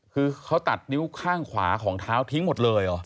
คือเขาตัดนิ้วข้างขวาของเท้าทิ้งหมดเลยเหรอ